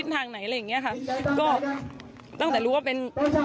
ตั้งแต่รู้ว่ามันเป็นที่เป้านั้น